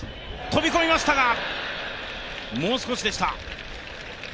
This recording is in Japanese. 飛び込みましたが、もう少しでした。